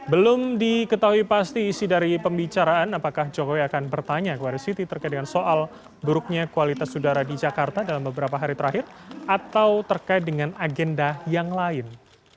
belum diketahui pasti isi dari pembicaraan apakah jokowi akan bertanya kepada siti terkait dengan soal buruknya kualitas udara di jakarta dalam beberapa hari terakhir atau terkait dengan agenda yang lain